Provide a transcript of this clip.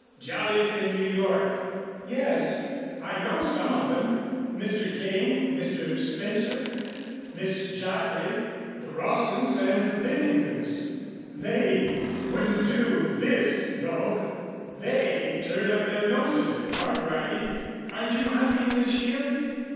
Jolliest in New York." "Yes, I know some of them Mr. Kane, Mr. Spencer, Miss Jaffray, the Rawsons and the Penningtons. They wouldn't do this, though; they turn up their noses at Park riding. Aren't you hunting this year?"